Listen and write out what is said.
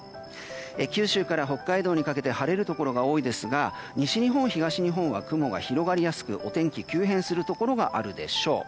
九州から北海道にかけて晴れるところが多いですが西日本、東日本は雲が広がりやすくお天気急変するところがあるでしょう。